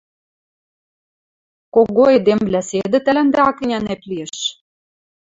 Кого эдемвлӓ, седӹ, тӓлӓндӓ ак ӹнянеп лиэш.